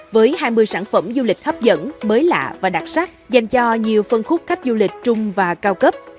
với hai mươi sản phẩm du lịch hấp dẫn mới lạ và đặc sắc dành cho nhiều phân khúc khách du lịch trung và cao cấp